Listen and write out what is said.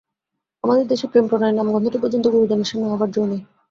আমাদের দেশে প্রেম-প্রণয়ের নামগন্ধটি পর্যন্ত গুরুজনের সামনে হবার যো নেই।